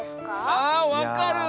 あわかる！